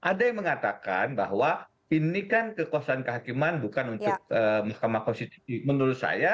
ada yang mengatakan bahwa ini kan kekuasaan kehakiman bukan untuk mahkamah konstitusi menurut saya